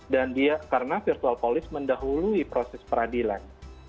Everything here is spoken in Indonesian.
dan karena virtual polisi mendahului proses peradilan